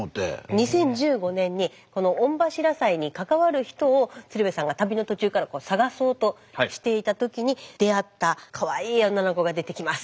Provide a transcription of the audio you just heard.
２０１５年にこの御柱祭に関わる人を鶴瓶さんが旅の途中から探そうとしていた時に出会ったカワイイ女の子が出てきます。